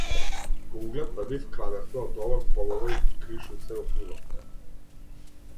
По углед на нив крадевме од дома комова и кришум се опивавме.